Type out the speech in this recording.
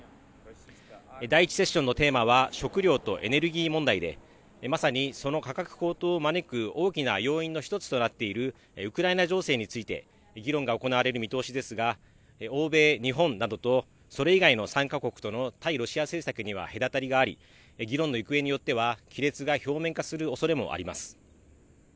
第１セッションのテーマは食糧とエネルギー問題でまさにその価格高騰を招く大きな要因の一つとなっているウクライナ情勢について議論が行われる見通しですが欧米日本などとそれ以外の参加国との対ロシア政策には隔たりがあり議論の行方によっては亀裂が表面化するおそれもあります